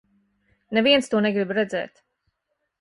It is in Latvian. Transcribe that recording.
Neviens to negrib redzēt.